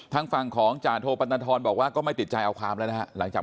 ทั้งฟั่งของจาโทปรนทนบอกว่าก็ไม่ติดใจต้องเอาความละหลังจาก